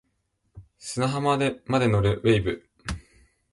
砂浜まで乗る wave